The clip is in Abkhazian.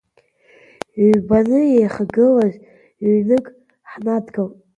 Ҩбаны еихагылаз ҩнык ҳнадгылт.